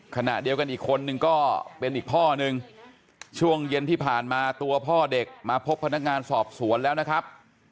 ขณะเดียวกันอีกคนนึงก็เป็นอีกพ่อนึงช่วงเย็นที่ผ่านมาตัวพ่อเด็กมาพบพนักงานสอบสวนแล้วนะครับ